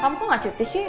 kamu kok nggak cuti sih